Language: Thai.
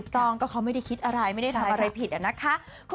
ต้องก็เขาไม่ได้คิดอะไรไม่ได้ทำอะไรผิดอะนะคะ